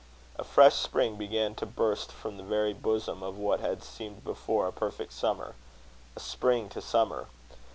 A fresh spring began to burst from the very bosom of what had seemed before a perfect summer. A spring to summer!